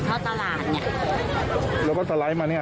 ผมก็ไม่ขี่เท่าตลาดเนี่ยแล้วก็สไลด์มาเนี่ย